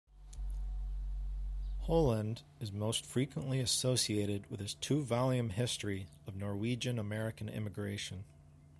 Holand is most frequently associated with his two volume history of Norwegian-American immigration.